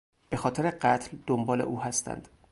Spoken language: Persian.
به خاطر قتل دنبال او هستند.